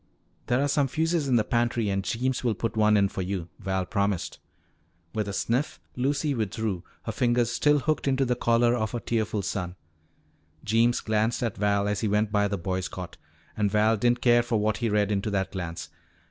"There are some fuses in the pantry and Jeems will put one in for you," Val promised. With a sniff Lucy withdrew, her fingers still hooked in the collar of her tearful son. Jeems glanced at Val as he went by the boy's cot. And Val didn't care for what he read into that glance.